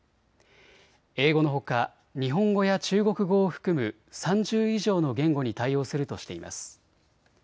英語のほか、日本語や中国語を含む３０以上の言語に対応するとしています。